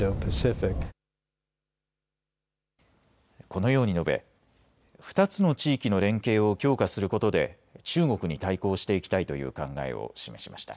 このように述べ、２つの地域の連携を強化することで中国に対抗していきたいという考えを示しました。